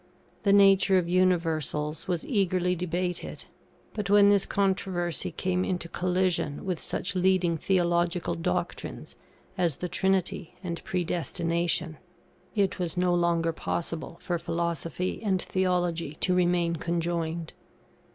The nature of Universals was eagerly debated; but when this controversy came into collision with such leading theological doctrines as the Trinity and Predestination, it was no longer possible for Philosophy and Theology to remain conjoined.